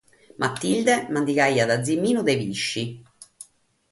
Matilde mandigaiat ziminu de pische.